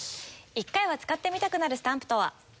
１回は使ってみたくなるスタンプとは？